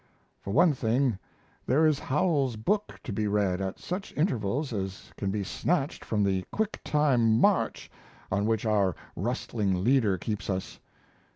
For one thing, there is Howells's book to be read at such intervals as can be snatched from the quick time march on which our rustling leader keeps us.